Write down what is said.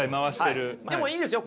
でもいいですよ。